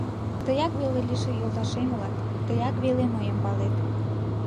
Тыяк веле лишыл йолташем улат, тыяк веле мыйым палет.